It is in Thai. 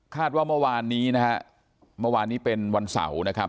ว่าเมื่อวานนี้นะฮะเมื่อวานนี้เป็นวันเสาร์นะครับ